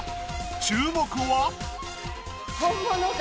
注目は。